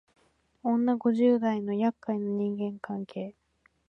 女五十代のやっかいな人間関係